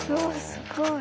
すごい。